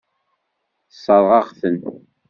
Tessṛeɣ-aɣ-ten.